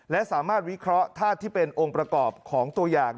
และสามารถวิเคราะห์ธาตุที่เป็นองค์ประกอบของตัวอย่าง